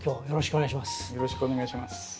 よろしくお願いします。